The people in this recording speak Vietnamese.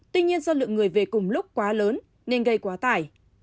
tuy nhiên do lượng người về cùng lúc quá lớn nên gây quá tải